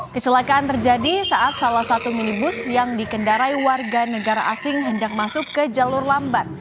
kecelakaan terjadi saat salah satu minibus yang dikendarai warga negara asing hendak masuk ke jalur lambat